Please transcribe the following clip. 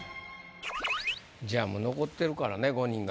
じゃあもう残ってるからね５人が。